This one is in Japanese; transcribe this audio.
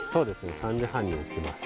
３時半に起きます。